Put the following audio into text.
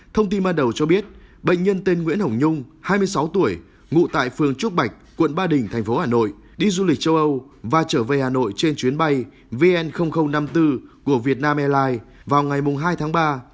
thông tin ban đầu cho biết bệnh nhân tên nguyễn hồng nhung hai mươi sáu tuổi ngụ tại phường trúc bạch quận ba đình thành phố hà nội đi du lịch châu âu và trở về hà nội trên chuyến bay vn năm mươi bốn của vietnam airlines vào ngày hai tháng ba